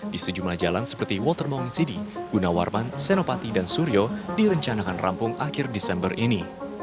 di sejumlah jalan seperti water monginsidi gunawarman senopati dan suryo direncanakan rampung akhir desember ini